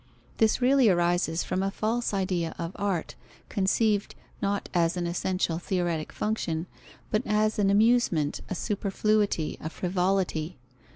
This really arises from a false idea of art, conceived, not as an essential theoretic function, but as an amusement, a superfluity, a frivolity.